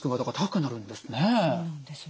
そうなんですね。